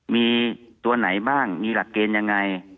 มีตัวไหนบ้างมีหลักเกณฑ์ยังไง